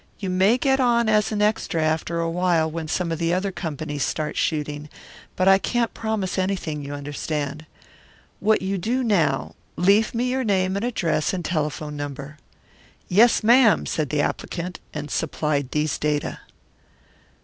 You may get on as an extra after a while when some of the other companies start shooting, but I can't promise anything, you understand. What you do now leave me your name and address and telephone number." "Yes, ma'am," said the applicant, and supplied these data.